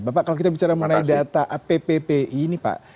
bapak kalau kita bicara mengenai data apppi ini pak